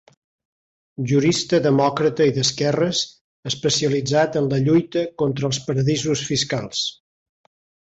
Jurista demòcrata i d'esquerres especialitzat en la lluita contra els paradisos fiscals.